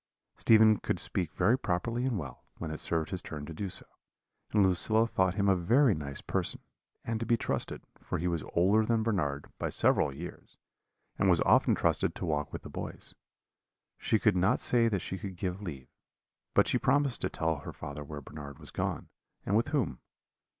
"Stephen could speak very properly and well, when it served his turn to do so; and Lucilla thought him a very nice person, and to be trusted, for he was older than Bernard, by several years, and was often trusted to walk with the boys. She could not say that she could give leave, but she promised to tell her father where Bernard was gone, and with whom.